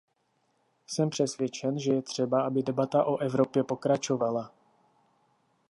Jsem přesvědčen, že je třeba, aby debata o Evropě pokračovala.